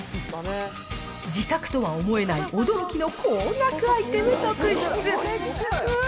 自宅とは思えない驚きの高額アイテム続出。